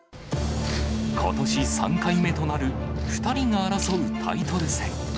ことし３回目となる、２人が争うタイトル戦。